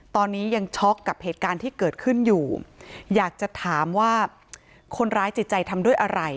ตอนนี้ยังช็อกกับเหตุการณ์ที่เกิดขึ้นอยู่อยากจะถามว่าคนร้ายจิตใจทำด้วยอะไร